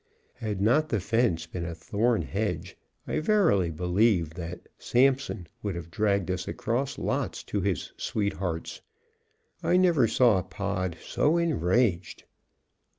Had not the fence been a thorn hedge, I verily believe that that "Samson" would have dragged us across lots to his sweethearts. I never saw Pod so enraged.